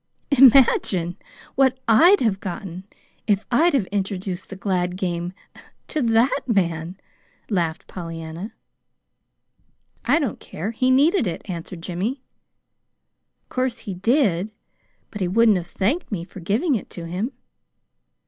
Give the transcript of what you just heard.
'" "Imagine what I'D have gotten if I'd have introduced the glad game to that man!" laughed Pollyanna. "I don't care. He needed it," answered Jimmy. "Of course he did but he wouldn't have thanked me for giving it to him."